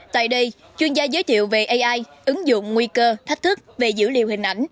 tại đây chuyên gia giới thiệu về ai ứng dụng nguy cơ thách thức về dữ liệu hình ảnh